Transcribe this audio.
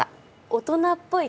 大人っぽい。